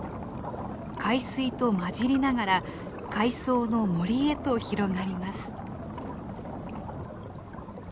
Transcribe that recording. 海水と混じりながら海藻の森へと広がります。